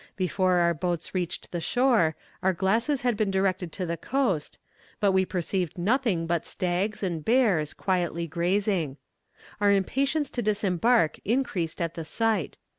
Before our boats reached the shore, our glasses had been directed to the coast, but we perceived nothing but stags and bears, quietly grazing. Our impatience to disembark increased at the sight.